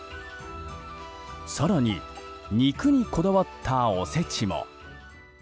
更に肉にこだわったおせちも。